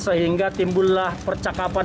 sehingga timbullah percakapan